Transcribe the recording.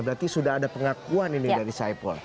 berarti sudah ada pengakuan ini dari saipul